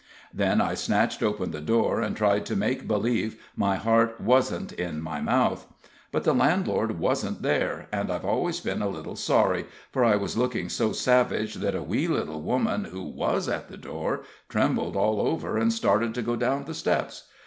Then I snatched open the door, and tried to make believe my heart wasn't in my mouth. But the landlord wasn't there, and I've always been a little sorry, for I was looking so savage, that a wee little woman, who was at the door, trembled all over, and started to go down the steps.